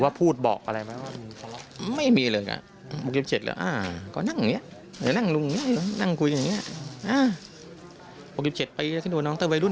อาจจะผอมนะผอม